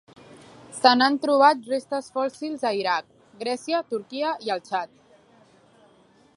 Se n'han trobat restes fòssils a Iraq, Grècia, Turquia i el Txad.